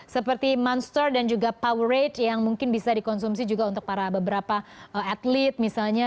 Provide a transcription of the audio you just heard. seperti monster dan juga power rate yang mungkin bisa dikonsumsi juga untuk para beberapa atlet misalnya